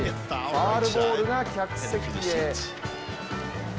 ファウルボールが客席へ。